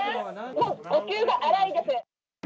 もう呼吸が荒いです。